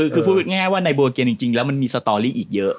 คือพูดง่ายว่าในโบเกมจริงแล้วมันมีสตอรี่อีกเยอะ